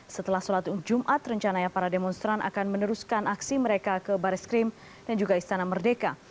setelah sholat jumat rencananya para demonstran akan meneruskan aksi mereka ke baris krim dan juga istana merdeka